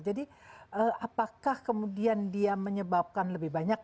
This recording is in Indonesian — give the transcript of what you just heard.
jadi apakah kemudian dia menyebabkan lebih banyak